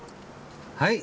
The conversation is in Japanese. はい？